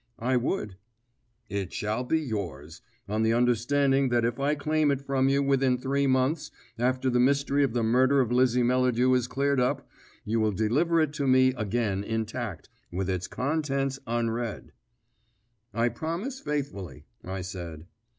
"I would." "It shall be yours, on the understanding that if I claim it from you within three months after the mystery of the murder of Lizzie Melladew is cleared up, you will deliver it to me again intact, with its contents unread." "I promise faithfully," I said.